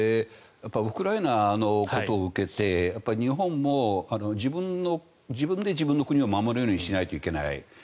ウクライナのことを受けて日本も自分で自分の国を守れるようにしなければいけない。